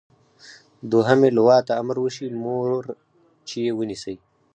دوهمې لواء ته امر وشي مورچې ونیسي.